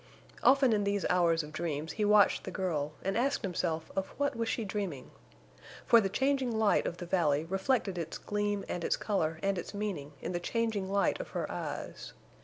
Often, in these hours of dreams he watched the girl, and asked himself of what was she dreaming? For the changing light of the valley reflected its gleam and its color and its meaning in the changing light of her eyes.